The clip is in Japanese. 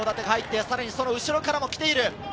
その後ろからも来ている。